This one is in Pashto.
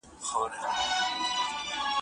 بیا وڅڅېده.